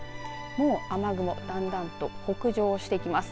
もう雨雲だんだんと北上してきます。